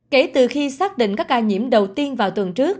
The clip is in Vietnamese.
kể từ khi xác định các ca nhiễm đầu tiên vào tuần trước